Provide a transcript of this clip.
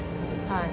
はい。